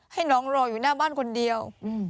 ให้น้องรออยู่หน้าบ้านคนเดียว